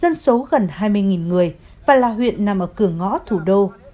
dân số gần hai mươi người và là huyện nằm ở cửa ngõ thủ đô